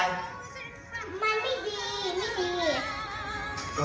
มันไม่ดี